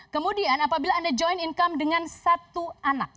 kemudian apabila anda joint income dengan satu anak